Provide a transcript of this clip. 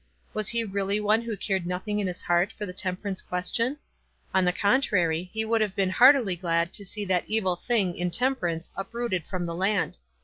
Was he really one who cared nothing in his heart for the temperance question ? On the contrary, he would have been heartily glad to see that evil thing intemperance uprooted from the land.